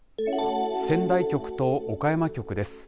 仙台局と岡山局です。